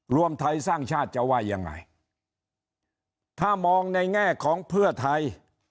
รวมไทยสร้างชาติจะว่ายังไงถ้ามองในแง่ของเพื่อไทย